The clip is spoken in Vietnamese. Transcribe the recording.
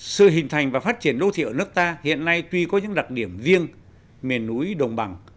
sự hình thành và phát triển đô thị ở nước ta hiện nay tuy có những đặc điểm riêng